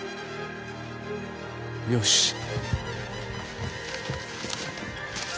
よし！